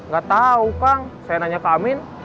gak tahu kang saya nanya ke amin